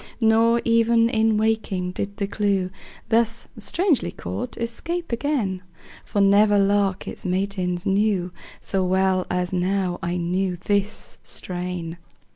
Nor even in waking did the clew, Thus strangely caught, escape again; For never lark its matins knew So well as now I knew this strain.